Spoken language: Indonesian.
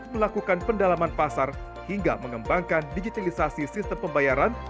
melakukan pendalaman pasar hingga mengembangkan digitalisasi sistem pembayaran